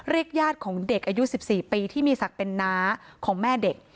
เรียกญาติของเด็กอายุ๑๔ปีที่มีสักเป็นนะของแม่เด็ก